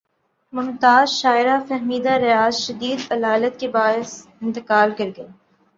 ممتاز شاعرہ فہمیدہ ریاض شدید علالت کے باعث انتقال کر گئیں